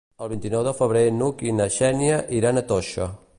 El vint-i-nou de febrer n'Hug i na Xènia iran a Toixa.